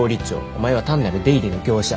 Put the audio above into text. お前は単なる出入りの業者。